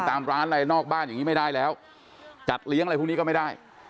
ตามร้านอะไรนอกบ้านอย่างนี้ไม่ได้แล้วจัดเลี้ยงอะไรพวกนี้ก็ไม่ได้